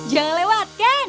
jangan lewat kan